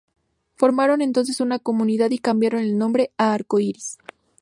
Formaron entonces una comunidad y cambiaron el nombre a Arco Iris.